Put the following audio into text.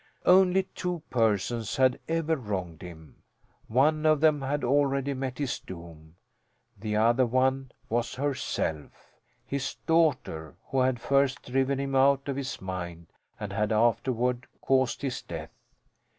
Only two persons had ever wronged him. One of them had already met his doom. The other one was herself his daughter who had first driven him out of his mind and had afterward caused his death.